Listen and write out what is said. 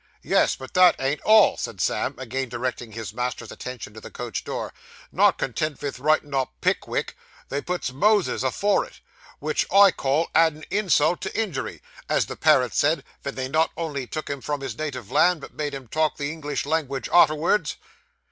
'Yes, but that ain't all,' said Sam, again directing his master's attention to the coach door; 'not content vith writin' up "Pick wick," they puts "Moses" afore it, vich I call addin' insult to injury, as the parrot said ven they not only took him from his native land, but made him talk the English langwidge arterwards.